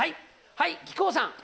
はい木久扇さん。